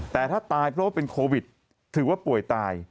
แต่ถ้าตายเพราะว่าเป็นโควิดถือว่าป่วยตาย